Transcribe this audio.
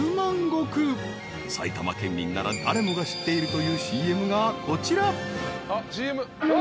［埼玉県民なら誰もが知っているというＣＭがこちら］